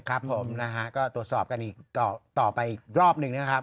ครับผมนะฮะก็ตรวจสอบกันอีกต่อไปอีกรอบหนึ่งนะครับ